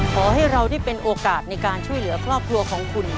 ขอให้เราได้เป็นโอกาสในการช่วยเหลือครอบครัวของคุณ